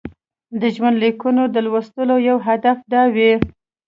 د ژوندلیکونو د لوستلو یو هدف دا وي.